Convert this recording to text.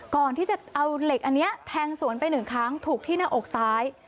ก่อนที่จะเอาเหล็กอันนี้แทงสวนไปหนึ่งครั้งถูกที่หน้าอกซ้าย